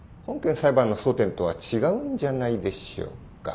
裁判の争点とは違うんじゃないでしょうか？